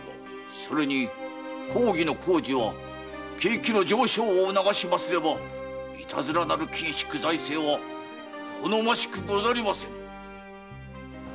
それに公儀の工事は景気の上昇を促しますればいたずらなる緊縮財政は好ましくござりませぬ。